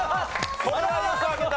これはよく開けた。